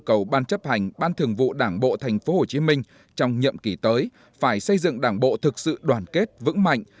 cầu ban chấp hành ban thường vụ đảng bộ thành phố hồ chí minh trong nhậm kỳ tới phải xây dựng đảng bộ thực sự đoàn kết vững mạnh